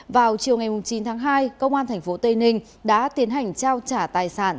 vào chiều ngày chín tháng hai công an tp tây ninh đã tiến hành trao trả tài sản